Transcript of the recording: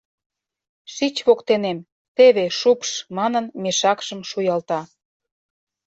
— Шич воктенем, теве шупш, — манын, мешакшым шуялта.